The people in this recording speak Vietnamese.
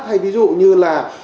hay ví dụ như là